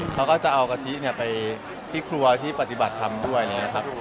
เขาก็จะเอากะทิไปที่ครัวที่ปฏิบัติทำด้วยนะครับ